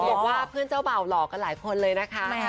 บอกว่าเพื่อนเจ้าบ่าวหล่อกันหลายคนเลยนะคะ